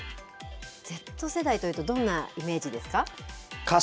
Ｚ世代というと、どんなイメージですか？